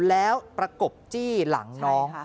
แล้วประกบจี้หลังน้อง